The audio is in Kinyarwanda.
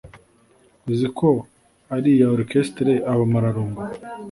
uzi ko ari iya Orchestre Abamararungu.